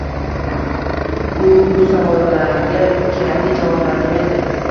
U bu savollarga kerakli javoblarni berdi